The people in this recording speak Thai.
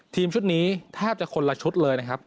ทีมชุดนี้แทบจะคนละชุดเลยนะครับ